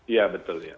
iya betul ya